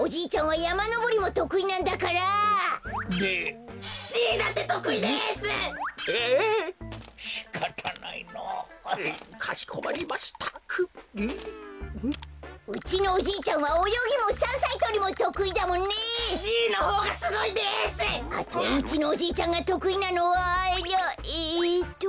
あとうちのおじいちゃんがとくいなのはえっと。